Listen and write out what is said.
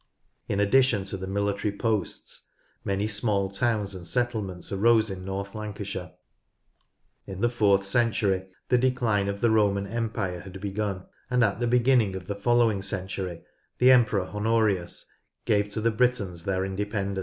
In addition to the military posts many small towns and settlements arose in North Lancashire. In the fourth century the decline of the Roman empire had begun, and at the beginning of the following century the Emperor Honorius gave to the Britons their independence.